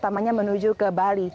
menuju ke bali